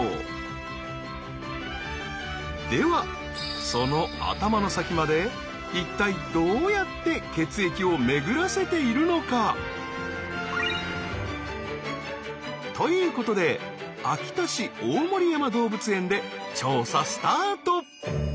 ではその頭の先まで一体どうやって血液を巡らせているのか？ということで秋田市大森山動物園で調査スタート。